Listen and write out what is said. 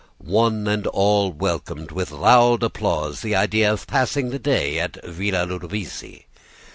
One and all welcomed with loud applause the idea of passing the day at Villa Ludovisi.